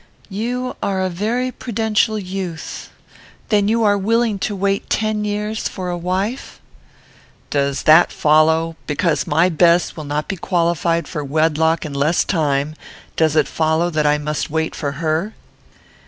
"You are a very prudential youth: then you are willing to wait ten years for a wife?" "Does that follow? Because my Bess will not be qualified for wedlock in less time, does it follow that I must wait for her?"